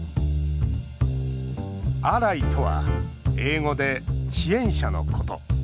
アライとは英語で支援者のこと。